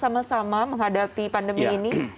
sama sama menghadapi pandemi ini